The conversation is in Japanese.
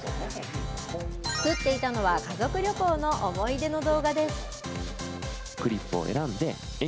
作っていたのは、家族旅行の思い出の動画です。